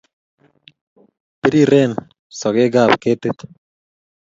Pireren sogek ab keti